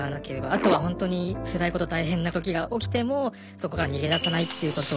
あとはほんとにつらいこと大変な時が起きてもそこから逃げ出さないっていうこと。